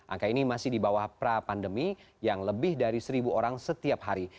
angka ini masih di bawah pra pandemi yang lebih dari seribu orang setiap hari